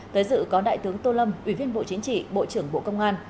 tới dự có đại tướng tô lâm ủy viên bộ chính trị bộ trưởng bộ công an